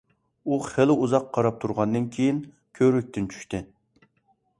ئۇ خېلى ئۇزاق قاراپ تۇرغاندىن كېيىن، كۆۋرۈكتىن چۈشتى.